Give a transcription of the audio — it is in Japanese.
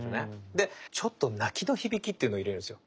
でちょっと泣きの響きっていうのを入れるんですよ。